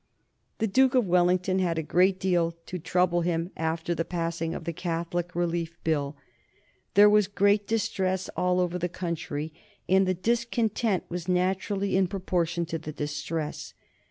The Duke of Wellington had a great deal to trouble him after the passing of the Catholic Relief Bill. There was great distress all over the country, and the discontent was naturally in proportion to the distress.